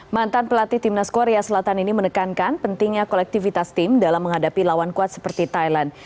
mantan pelatih timnas korea selatan ini menekankan pentingnya kolektivitas tim dalam menghadapi lawan kuat seperti thailand